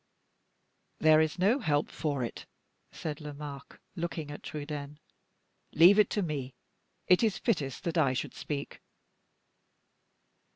"There is no help for it," said Lomaque, looking at Trudaine; "leave it to me it is fittest that I should speak.